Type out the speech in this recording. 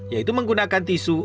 yaitu menggunakan tisu